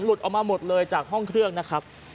ออกมาหมดเลยจากห้องเครื่องนะครับ